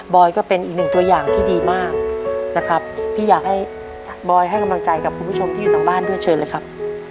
อยก็เป็นอีกหนึ่งตัวอย่างที่ดีมากนะครับพี่อยากให้บอยให้กำลังใจกับคุณผู้ชมที่อยู่ทางบ้านด้วยเชิญเลยครับ